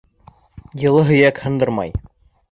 Йылы һөйәк һындырмай.